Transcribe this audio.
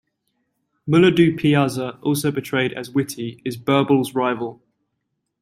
Mulla Do-Piyaza, also portrayed as witty, is Birbal's rival.